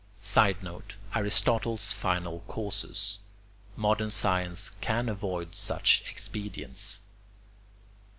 [Sidenote: Aristotle's final causes. Modern science can avoid such expedients.